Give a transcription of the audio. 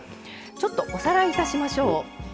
ちょっとおさらいいたしましょう。